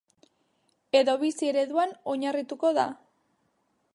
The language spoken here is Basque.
Edo bizi ereduan oinarrituko da.